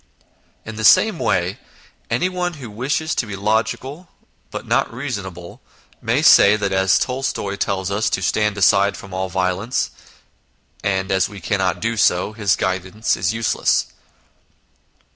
In the same way anyone who wishes to be logical but not reasonable, may say that as Tolstoy tells us to stand aside from all violence, and as we cannot do so, his guidance is useless.